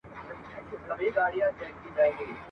ږغ ته د انصاف به د زندان هتکړۍ څه وايي !.